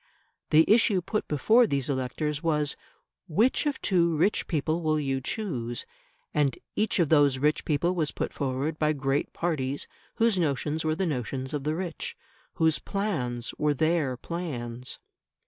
The issue put before these electors was, Which of two rich people will you choose? And each of those rich people was put forward by great parties whose notions were the notions of the rich whose plans were their plans.